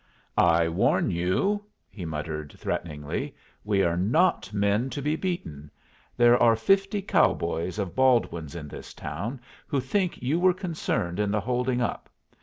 "I warn you," he muttered threateningly, "we are not men to be beaten. There are fifty cowboys of Baldwin's in this town, who think you were concerned in the holding up.